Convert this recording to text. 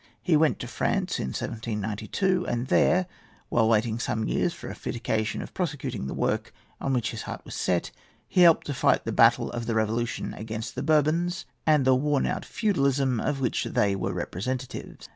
He went to France in 1792, and there, while waiting some years for fit occasion of prosecuting the work on which his heart was set, he helped to fight the battle of the revolution against the Bourbons and the worn out feudalism of which they were representatives.